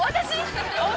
◆私！？